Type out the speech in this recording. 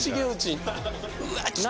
うわっ来た。